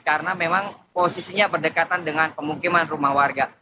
karena memang posisinya berdekatan dengan pemukiman rumah warga